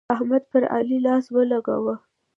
احمد پر علي لاس ولګاوو.